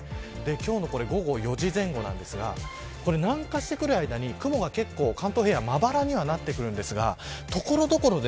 今日の午後４時前後ですが南下してくる間に、雲が結構関東平野まばらにはなってきますが所々で